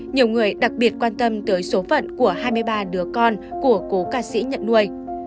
nhiều người đặc biệt quan tâm tới số phận của hai mươi ba đứa con của cố ca sĩ nhận nuôi